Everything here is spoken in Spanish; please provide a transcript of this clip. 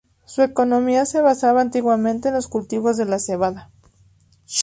Su economía se basaba antiguamente en los cultivos de la cebada.